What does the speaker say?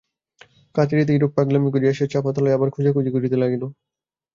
কাছারিতে এইরূপ পাগলামি করিয়া সে চাঁপাতলায় আবার খোঁজাখুঁজি করিতে লাগিল।